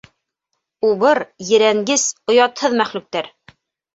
Убыр, ерәнгес, оятһыҙ мәхлүктәр!